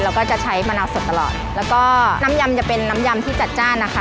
ก็จะใช้มะนาวสดตลอดแล้วก็น้ำยำจะเป็นน้ำยำที่จัดจ้านนะคะ